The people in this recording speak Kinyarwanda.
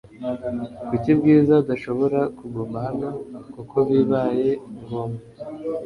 Kuki Bwiza adashobora kuguma hano kuko bibaye ngombwa